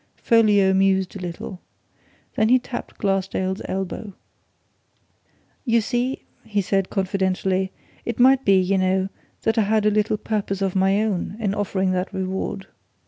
Folliot mused a little. Then he tapped Glassdale's elbow. "You see," he said, confidentially, "it might be, you know, that I had a little purpose of my own in offering that reward.